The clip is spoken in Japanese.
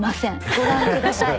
ご覧ください。